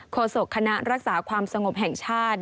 โศกคณะรักษาความสงบแห่งชาติ